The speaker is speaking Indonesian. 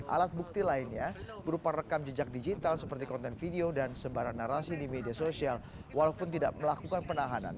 alat bukti lainnya berupa rekam jejak digital seperti konten video dan sebaran narasi di media sosial walaupun tidak melakukan penahanan